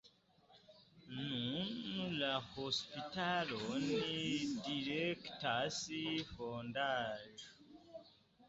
Nun la hospitalon direktas fondaĵo.